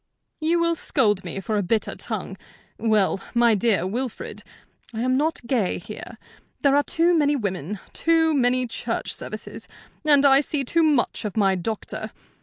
"You will scold me for a bitter tongue. Well, my dear Wilfrid, I am not gay here. There are too many women, too many church services, and I see too much of my doctor.